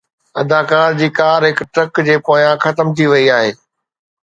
اداڪار جي ڪار هڪ ٽرڪ جي پويان ختم ٿي وئي آهي